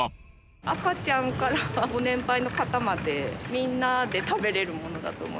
赤ちゃんからご年配の方までみんなで食べられるものだと思います。